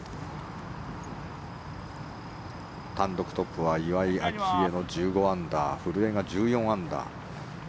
単独トップは岩井明愛の１５アンダー古江が１４アンダー。